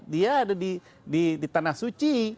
dia ada di tanah suci